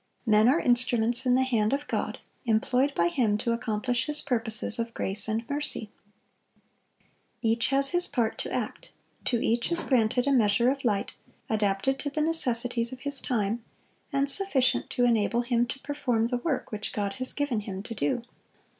Men are instruments in the hand of God, employed by Him to accomplish His purposes of grace and mercy. Each has his part to act; to each is granted a measure of light, adapted to the necessities of his time, and sufficient to enable him to perform the work which God has given him to do.